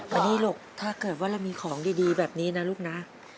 วันนี้ลูกถ้าเกิดว่าเรามีของดีแบบนี้นะลูกนะ